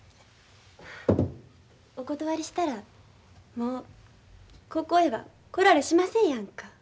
お断りしたらもうここへは来られしませんやんか。